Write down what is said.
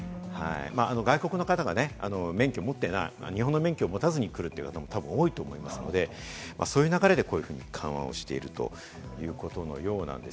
外国の方が免許を持っていない、日本の免許を持たずに来るっていう方も多いと思いますので、そういう流れで緩和をしているということのようです。